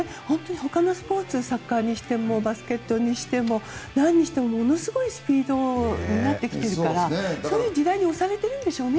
ほかのスポーツサッカーにしてもバスケットにしてもなんにしてもものすごいスピードになってきてるからそういう時代に押されているんでしょうね。